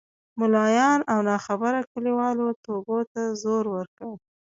ملایانو او ناخبره کلیوالو توبو ته زور ورکړ.